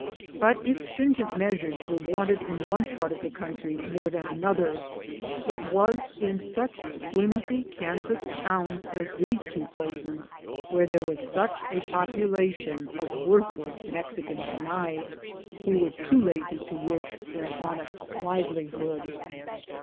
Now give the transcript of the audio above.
But if stringent measures were wanted in one part of the country more than another, it was in such flimsy canvas towns as these two places, where there was such a population of worthless Mexi can canaille, who were too lazy to work for an honest livelihood.